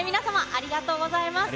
ありがとうございます。